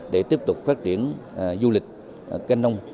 để tiếp tục phát triển du lịch kinh nông